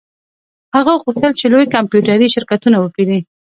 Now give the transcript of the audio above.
هغه غوښتل چې لوی کمپیوټري شرکتونه وپیري